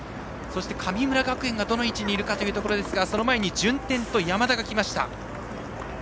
神村学園がどの位置にいるかですがその前に順天と山田が来ました。